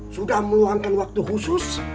sudah meluangkan waktu khusus